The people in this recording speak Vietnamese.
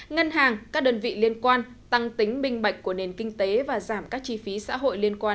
ngân hàng các đơn vị liên quan tăng tính minh bạch của nền kinh tế và giảm các chi phí xã hội liên quan